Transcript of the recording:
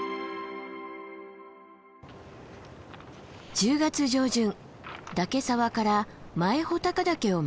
１０月上旬岳沢から前穂高岳を目指します。